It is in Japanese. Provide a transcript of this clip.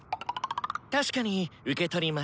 確かに受け取りました。